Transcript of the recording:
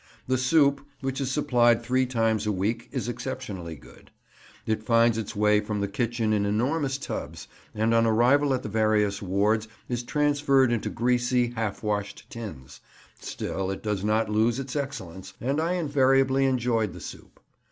The soup, which is supplied three times a week, is exceptionally good. It finds its way from the kitchen in enormous tubs, and on arrival at the various wards is transferred into greasy, half washed tins; still it does not lose its excellence, and I invariably enjoyed the soup.